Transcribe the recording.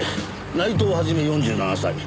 内藤肇４７歳。